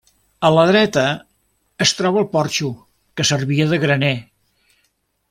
A la dreta es troba el porxo que servia de graner.